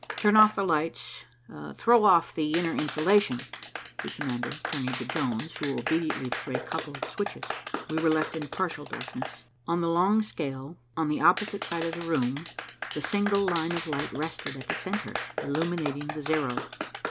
"Turn off the lights, throw off the inner insulation," he commanded, turning to Jones, who obediently threw a couple of switches. We were left in partial darkness. On the long scale, on the opposite side of the room, the single line of light rested at the centre, illuminating the zero.